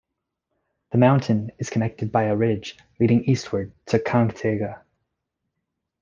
The mountain is connected by a ridge leading eastward to Kangtega.